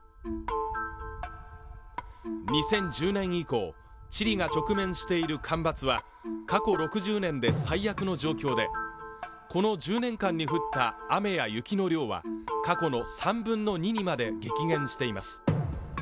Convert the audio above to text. ２０１０年以降チリが直面している干ばつは過去６０年で最悪の状況でこの１０年間に降った雨や雪の量は過去の３分の２にまで激減しています。